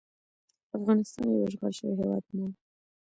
افغانستان یو اشغال شوی هیواد نه وو.